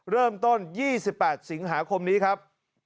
เริ่มต้น๒๘สิงหาคมนี้ครับ